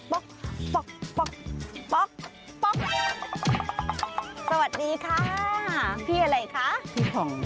ป๊อกป๊อกป๊อกป๊อกป๊อกสวัสดีค่ะพี่อะไรคะพี่ผ่อง